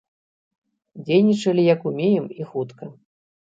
Дзейнічалі як ўмеем і хутка.